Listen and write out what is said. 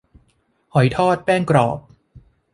หอยทอดแป้งกรอบ